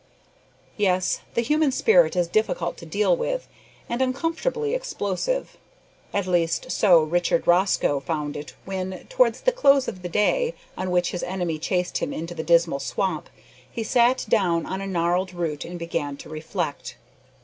Yes, the human spirit is difficult to deal with, and uncomfortably explosive. At least so Richard Rosco found it when, towards the close of the day on which his enemy chased him into the dismal swamp, he sat down on a gnarled root and began to reflect.